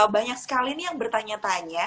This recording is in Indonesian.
banyak sekali nih yang bertanya tanya